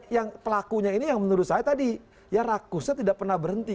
yang pelakunya ini yang menurut saya tadi ya rakusnya tidak pernah berhenti